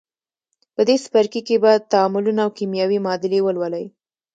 په دې څپرکي کې به تعاملونه او کیمیاوي معادلې ولولئ.